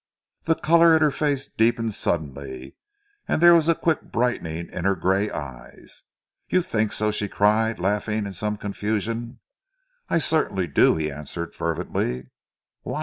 The colour in her face deepened suddenly, and there was a quick brightening in her grey eyes. "You think so?" she cried laughing in some confusion. "I certainly do!" he answered fervently. "Why?"